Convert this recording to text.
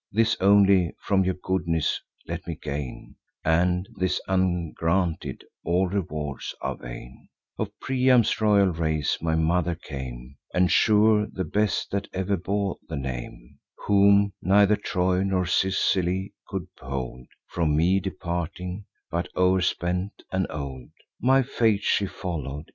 This only from your goodness let me gain (And, this ungranted, all rewards are vain) Of Priam's royal race my mother came— And sure the best that ever bore the name— Whom neither Troy nor Sicily could hold From me departing, but, o'erspent and old, My fate she follow'd.